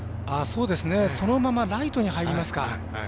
そのままライトに入りますか。